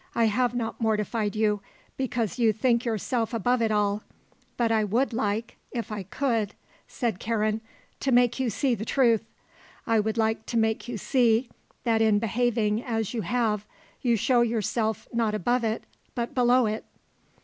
I have not mortified you, because you think yourself above it all. But I would like, if I could," said Karen, "to make you see the truth. I would like to make you see that in behaving as you have you show yourself not above it but below it."